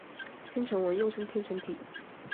天城文又称天城体。